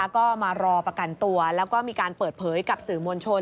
ก็มารอประกันตัวแล้วก็มีการเปิดเผยกับสื่อมวลชน